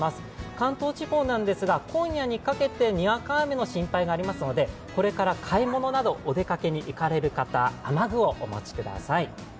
関東地方なんですが、今夜にかけてにわか雨のおそれがありますので、これから買い物など、お出かけに行かれる方、雨具をお持ちください。